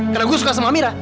karena gue suka sama amira